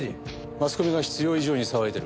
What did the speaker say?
マスコミが必要以上に騒いでる。